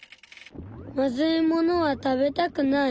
まずいものは食べたくない。